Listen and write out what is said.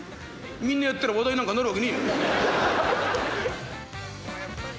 みんなやったら話題になんかなるわけねえ。